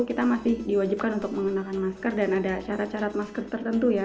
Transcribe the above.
kita masih diwajibkan untuk mengenakan masker dan ada syarat syarat masker tertentu ya